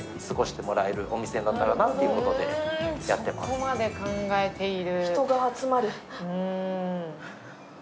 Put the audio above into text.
そこまで考えている。